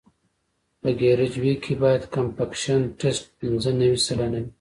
په کیریج وې کې باید کمپکشن ټسټ پینځه نوي سلنه وي